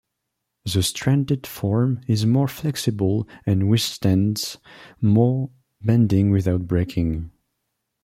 The stranded form is more flexible and withstands more bending without breaking.